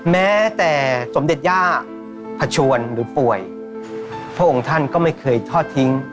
แม้แต่สมเด็จย่าพระชวนหรือป่วยพระองค์ท่านก็ไม่เคยทอดทิ้ง